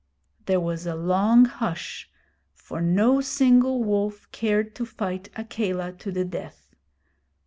There was a long hush, for no single wolf cared to fight Akela to the death.